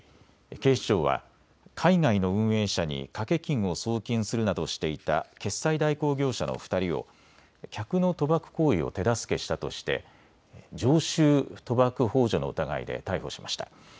警視庁は海外の運営者に賭け金を送金するなどしていた決済代行業者の２人を客の賭博行為を手助けしたとして常習賭博ほう助の疑いで逮捕しました。